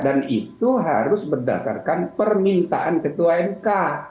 dan itu harus berdasarkan permintaan ketua mk